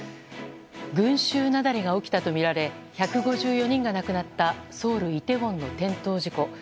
群衆雪崩が起きたとみられ１５４人が亡くなったソウル・イテウォンの転倒事故。